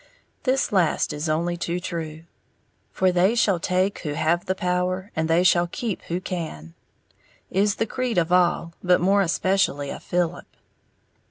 This last is only too true. "For they shall take who have the power, and they shall keep who can," is the creed of all, but more especially of Philip.